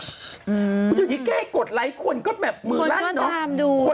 อย่างนี้แกให้กดไลค์คนก็แบบมือรั่นเนาะ